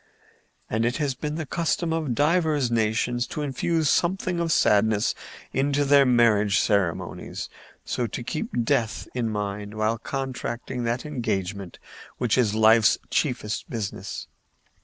And it has been the custom of divers nations to infuse something of sadness into their marriage ceremonies, so to keep death in mind while contracting that engagement which is life's chiefest business.